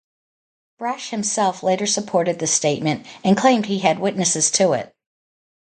Brash himself later supported this statement and claimed he had witnesses to it.